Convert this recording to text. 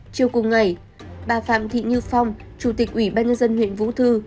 chiều cùng ngày bà phạm thị như phong chủ tịch ủy ban nhân dân huyện vũ thư